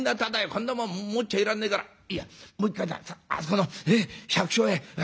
こんなもん持っちゃいらんねえからいやもう一回あそこの百姓家へ預けよう。